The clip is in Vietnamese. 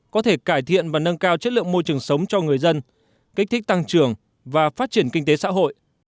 có thể cải thiện và nâng cao chất lượng môi trường sống cho người dân kích thích tăng trưởng và phát triển kinh tế xã hội